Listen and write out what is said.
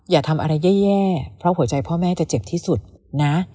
อย่าทำอะไรแย่เพราะหัวใจพ่อแม่จะเจ็บที่สุดนะ